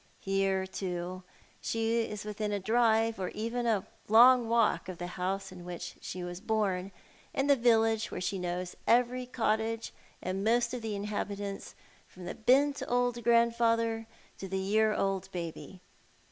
Here, too, she is within a drive or even a long walk of the house in which she was born, and the village where she knows every cottage and most of the inhabitants, from the bent old grand fixther to the year old baby.